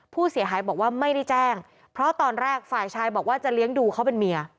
ผู้เสียหายบอกว่าไม่ได้แจ้งเพราะตอนแรกฝ่ายชายบอกว่าจะเลี้ยงดูเขาเป็นเมีย